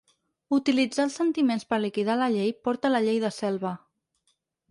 Utilitzar els sentiments per liquidar la llei porta a la llei de selva